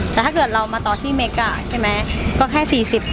แต่ถ้าเกิดเรามาต่อที่เมกะใช่ไหมก็แค่สี่สิบ